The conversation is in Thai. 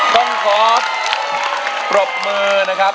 ต้องขอปรบมือนะครับ